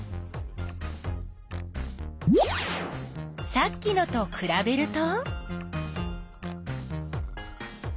さっきのとくらべると？